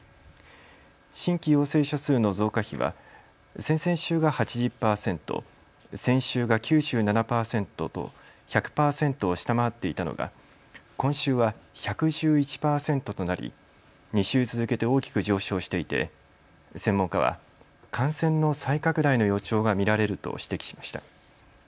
新規陽性者数の増加比は先々週が８０％、先週が９７％と１００％を下回っていたのが今週は１１１％となり２週続けて大きく上昇していて専門家は感染の再拡大の予兆が見られると指摘しました。